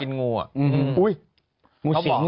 กินงูอ่ะ